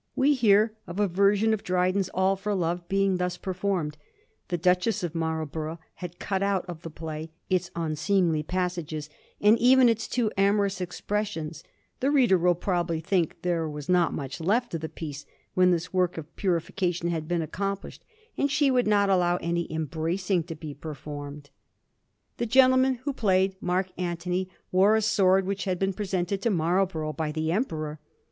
We hear of a version of Dryden's * All for Love ' being thus performed. The Duchess of Marlborough had cut out of the play its unseemly passages, and even its too amorous expressions — ^the reader will probably think there was not much left of the piece when this work of purification had been accomplished — and she would not aUow any embracing to be performed. The VOL. I. T Digiti zed by Google 274 A HISTORY OF THE FOUR GEORGES. ch. xn. gentleman who played Mark Antony wore a sword which had been presented to Marlborough by the Emperor.